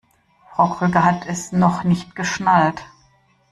Frau Kröger hat es noch nicht geschnallt.